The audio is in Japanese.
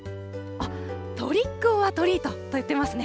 トリック・オア・トリートと言ってますね。